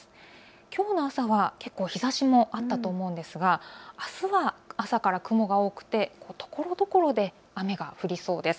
きょうの朝は日ざしもあったと思うんですが、あすは朝から雲が多くてところどころで雨が降りそうです。